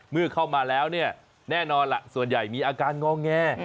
เมื่อเข้ามาแล้วเนี่ยแน่นอนล่ะส่วนใหญ่มีอาการงอแง